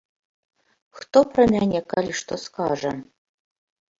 Хто пра мяне калі што скажа!